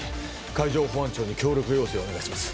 海上保安庁に協力要請をお願いします